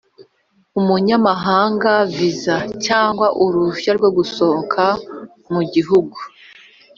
umunyamahanga viza cyangwa uruhushya rwogusohoka mugihugu